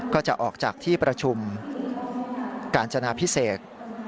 ก็จะออกจากที่ประชุมกาญจนาพิเศษ